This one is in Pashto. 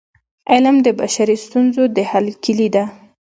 علم د بشري ستونزو د حل کيلي ده.